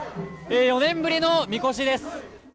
４年ぶりの、みこしです。